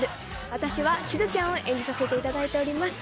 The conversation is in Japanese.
私はしずちゃんを演じさせていただいております。